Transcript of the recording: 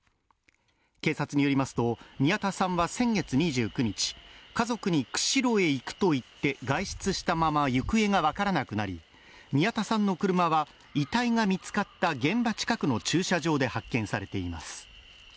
警察によりますと、宮田さんは先月２９日、家族に、釧路へ行くと言って外出したまま行方が分からなくなり宮田さんの車は遺体が見つかった現場近くの駐車場で発見されています。